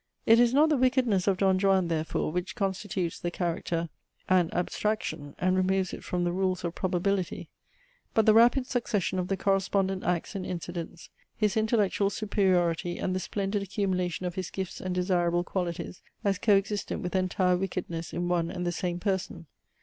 It is not the wickedness of Don Juan, therefore, which constitutes the character an abstraction, and removes it from the rules of probability; but the rapid succession of the correspondent acts and incidents, his intellectual superiority, and the splendid accumulation of his gifts and desirable qualities, as co existent with entire wickedness in one and the same person.